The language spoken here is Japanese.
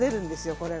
これが。